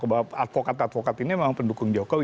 bahwa advokat advokat ini memang pendukung jokowi